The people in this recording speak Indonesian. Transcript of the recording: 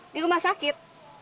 di rumah sakit